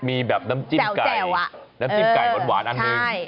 มีแบบน้ำจิ้มไก่หวานอันหนึ่ง